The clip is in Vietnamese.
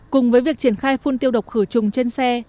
cùng với việc triển khai phun tiêu độc khử trùng trên xe